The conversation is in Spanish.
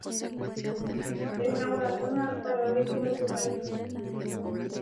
Es una buena zona para adictos al submarinismo.